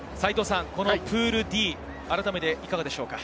プールＤ、改めていかがでしょうか？